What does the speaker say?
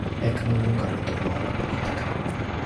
Ekman nunca retornó a la política.